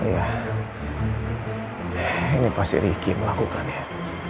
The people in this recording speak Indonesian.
ini pasti riki yang melakukan ya